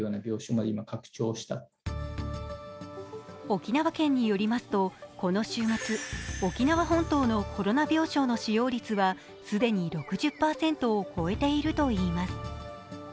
沖縄県によりますと、この週末沖縄本島のコロナ病床の使用率は既に６０％を超えているといいます。